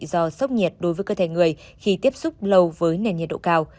do sốc nhiệt đối với cơ thể người khi tiếp xúc lâu với nền nhiệt độ cao